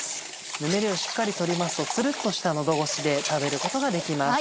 ぬめりをしっかり取りますとつるっとした喉越しで食べることができます。